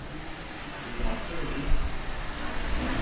Ḥemmleɣ-ken deg sin.